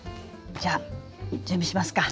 じゃあ準備しますか。